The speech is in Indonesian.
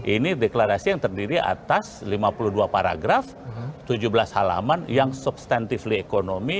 ini deklarasi yang terdiri atas lima puluh dua paragraf tujuh belas halaman yang substantif ekonomi